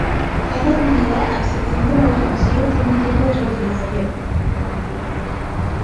Cada habilidad, a excepción de la voz pasiva, tiene un tiempo de reutilización.